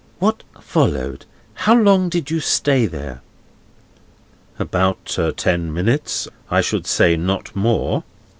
"What followed? How long did you stay there?" "About ten minutes; I should say not more.